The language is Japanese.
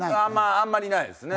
あんまりないですね。